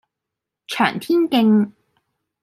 翔天徑